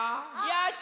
よし！